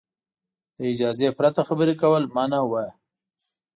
له اجازې پرته خبرې کول منع وو.